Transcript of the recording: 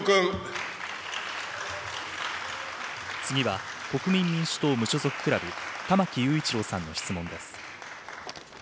次は、国民民主党・無所属クラブ、玉木雄一郎さんの質問です。